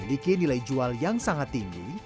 memiliki nilai jual yang sangat tinggi